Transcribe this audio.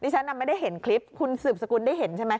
ฉันไม่ได้เห็นคลิปคุณสืบสกุลได้เห็นใช่ไหม